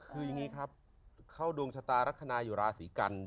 คือยังงี้ครับเขาดวงชะตารักษณะอยู่ราศรีกัณฐ์